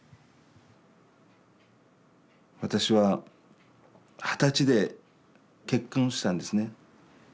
私は二十歳で結婚したんですね。